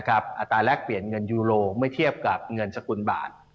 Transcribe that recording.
อัตราแรกเปลี่ยนเงินยูโรเมื่อเทียบกับเงินสกุลบาท